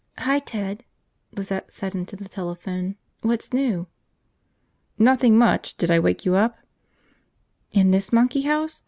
"Hi, Ted," Lizette said into the telephone. "What's new?" "Nothing much. Did I wake you up?" "In this monkey house?